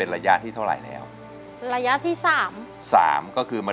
ตอนนี้ต้องเลิกแล้วค่ะ